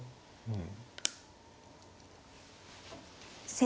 うん。